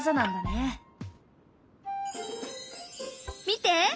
見て！